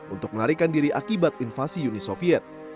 untuk melarikan diri akibat invasi uni soviet